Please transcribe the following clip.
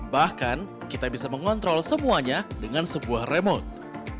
bahkan kita bisa mengontrol semuanya dengan sebuah remote